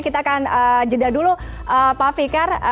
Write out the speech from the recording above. kita akan jeda dulu pak fikar